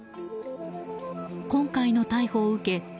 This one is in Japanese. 今回の逮捕を受け